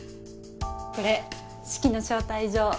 これ式の招待状。